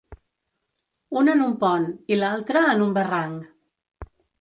Un en un pont, i l’altre en un barranc.